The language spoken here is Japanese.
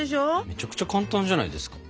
めちゃくちゃ簡単じゃないですか。